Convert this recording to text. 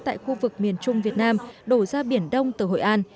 tại khu vực miền trung việt nam đổ ra biển đông từ hội an